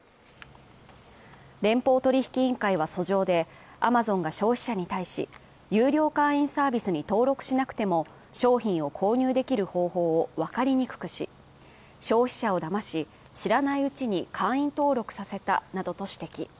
連邦取引委員会は訴状でアマゾンが消費者に対し、有料会員サービスに登録しなくても、商品を購入できる方法をわかりにくくし、消費者をだまし知らないうちに、会員登録させたなどと指摘。